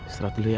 setelah dulu ya